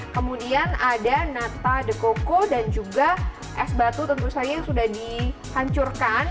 kemudian ada nata de coco dan juga es batu tentu saja yang sudah dihancurkan